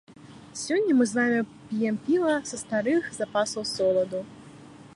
Сёння мы з вамі п'ем піва са старых запасаў соладу.